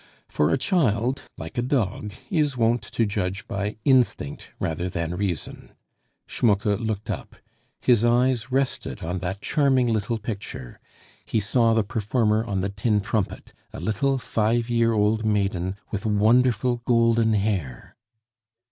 For a child, like a dog, is wont to judge by instinct rather than reason. Schmucke looked up; his eyes rested on that charming little picture; he saw the performer on the tin trumpet, a little five year old maiden with wonderful golden hair.